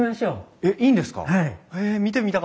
えっいいんですか？